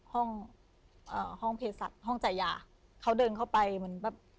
ห้องเอ่อห้องเพศสัตว์ห้องจ่ายยาเขาเดินเข้าไปเหมือนแบบ